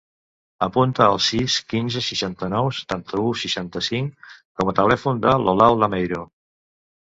Apunta el sis, quinze, seixanta-nou, setanta-u, seixanta-cinc com a telèfon de l'Olau Lameiro.